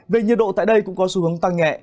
về nhiệt độ tại đây cũng có xu hướng tăng nhẹ